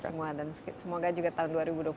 semua dan semoga juga tahun